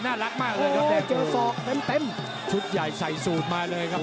น่ารักมากเลยครับแดงเจอศอกเต็มเต็มชุดใหญ่ใส่สูตรมาเลยครับ